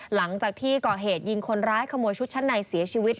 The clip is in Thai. หลังจากที่ก่อเหตุยิงคนร้ายขโมยชุดชั้นในเสียชีวิต